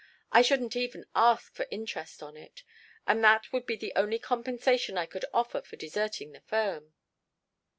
I shouldn't even ask for interest on it that would be the only compensation I could offer for deserting the firm.